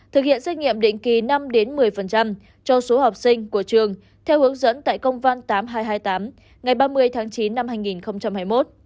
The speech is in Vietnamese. thực hiện xét nghiệm định kỳ năm một mươi cho số học sinh của trường theo hướng dẫn tại công văn tám nghìn hai trăm hai mươi tám ngày ba mươi tháng chín năm hai nghìn hai mươi một